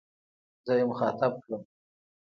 زه يې مخاطب کړم.